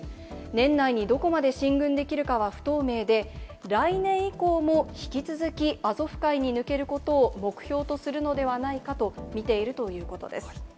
年内にどこまで進軍できるかは不透明で、来年以降も引き続きアゾフ海に抜けることを目標とするのではないかと見ているということです。